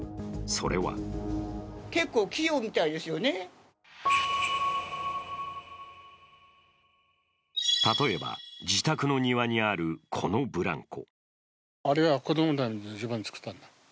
それは例えば、自宅の庭にあるこのブランコ。